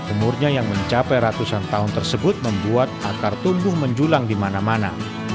umurnya yang mencapai ratusan tahun tersebut membuat akar tumbuh menjulang di mana mana